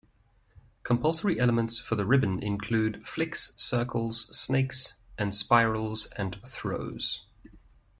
Compulsory elements for the ribbon include flicks, circles, snakes and spirals, and throws.